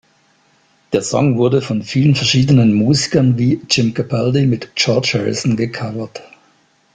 Der Song wurde von vielen verschiedenen Musikern wie Jim Capaldi mit George Harrison gecovert.